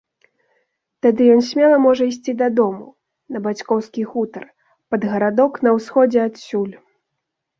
Тады ён смела можа ісці дадому, на бацькоўскі хутар, пад гарадок на ўсходзе адсюль.